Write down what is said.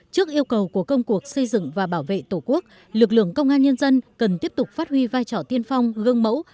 trước yêu cầu của công cuộc xây dựng và bảo vệ tổ quốc lực lượng công an nhân dân cần tiếp tục phát huy vai trò tiên phong gương mẫu